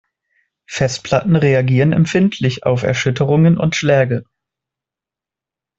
Festplatten reagieren empfindlich auf Erschütterungen und Schläge.